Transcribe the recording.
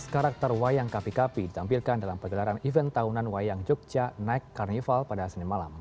karakter wayang kapi kapi ditampilkan dalam pegelaran event tahunan wayang jogja night carnival pada senin malam